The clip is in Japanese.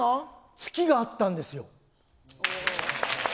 つきがあったんですよ。